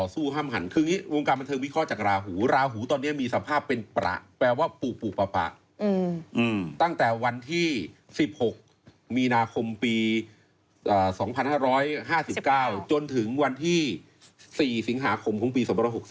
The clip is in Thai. สติแจกขึ้นตั้งแต่วันที่๑๖มีนาคมปี๒๕๕๙จนถึงวันที่๔สิงหาคมปี๒๑๖๐